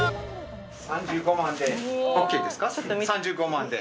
３５万で。